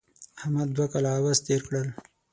احمد دوه کاله عبث تېر کړل.